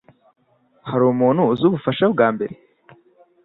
Hari umuntu uzi ubufasha bwambere?